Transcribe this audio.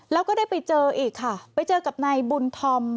แล้วก็ได้ไปเจออีกค่ะไปเจอกับนายบุญธอม